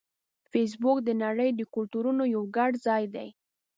فېسبوک د نړۍ د کلتورونو یو ګډ ځای دی